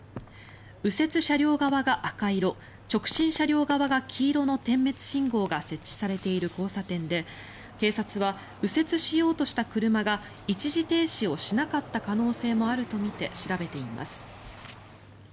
右折車両側が赤色直進車両側が黄色の点滅信号が設置されている交差点で警察は右折しようとした車が一時停止をしなかった可能性もあるとみて調べています。